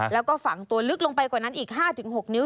แล้วก็ฝังตัวลึกลงไปกว่านั้นอีก๕๖นิ้ว